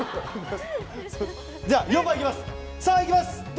じゃあ４番いきます。